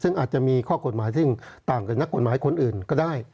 ซึ่งอาจจะมีข้อกฎหมายซึ่งต่างกับนักกฎหมายคนอื่นก็ได้